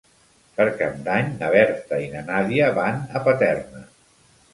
Per Cap d'Any na Berta i na Nàdia van a Paterna.